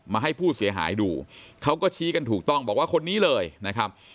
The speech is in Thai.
ให้ผู้เสียหายดูเขาก็ชี้กันถูกต้องบอกว่าคนนี้เลยนะครับ